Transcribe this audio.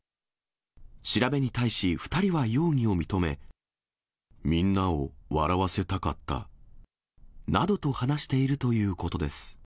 調べに対し、みんなを笑わせたかった。などと話しているということです。